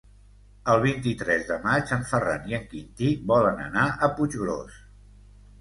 El vint-i-tres de maig en Ferran i en Quintí volen anar a Puiggròs.